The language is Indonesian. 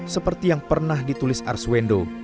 seperti yang pernah dilakukan oleh arswendo